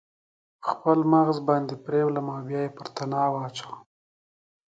خپل مغز باندې پریولم او بیا یې پر تناو اچوم